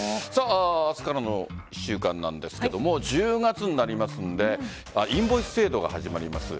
明日からの１週間なんですが１０月になりますのでインボイス制度が始まります。